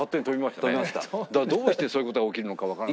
だからどうしてそういう事が起きるのかわからない。